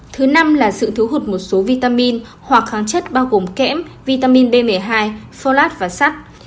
thứ năm là sự thú hụt một số vitamin hoặc kháng chất bao gồm kem vitamin b một mươi hai folate và sắt